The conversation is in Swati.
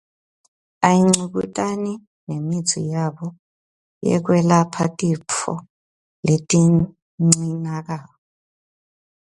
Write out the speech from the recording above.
Ayingcubutani nemitsi yabo yekwelapha tifo leticinanako.